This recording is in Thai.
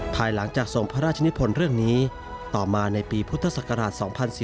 ภายหลังจากทรงพระราชนิพลเรื่องนี้ต่อมาในปีพุทธศักราช๒๔๙